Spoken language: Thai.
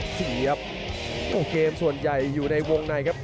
เสียบเกมส่วนใหญ่อยู่ในวงในครับ